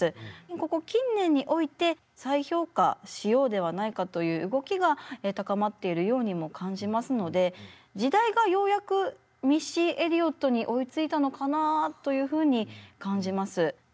ここ近年において再評価しようではないかという動きが高まっているようにも感じますので時代がようやくミッシー・エリオットに追いついたのかなというふうに感じます。